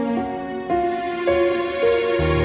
ibu di mana